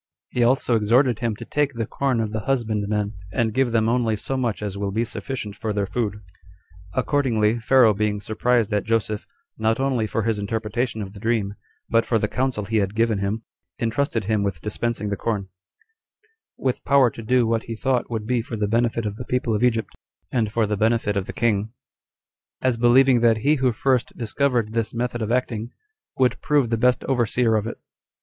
He also exhorted him to take the corn of the husbandmen, and give them only so much as will be sufficient for their food. Accordingly Pharaoh being surprised at Joseph, not only for his interpretation of the dream, but for the counsel he had given him, intrusted him with dispensing the corn; with power to do what he thought would be for the benefit of the people of Egypt, and for the benefit of the king, as believing that he who first discovered this method of acting, would prove the best overseer of it.